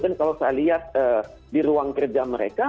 dan kalau saya lihat di ruang kerja mereka